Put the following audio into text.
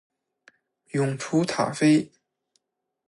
永雏塔菲